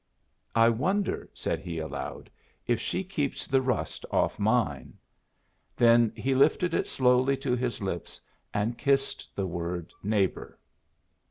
"I wonder," said he, aloud, "if she keeps the rust off mine?" Then he lifted it slowly to his lips and kissed the word "Neighbor."